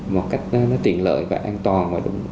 một cách nó tiện lợi và an toàn